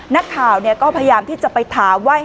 นักข่าวก็พยายามที่จะไปถามว่า